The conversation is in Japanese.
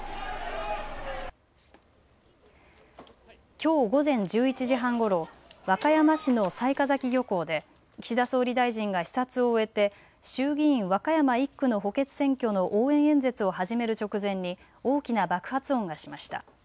きょう午前１１時半ごろ、和歌山市の雑賀崎漁港で岸田総理大臣が視察を終えて衆議院和歌山１区の補欠選挙の応援演説を始める直前に大きな爆発音がしました。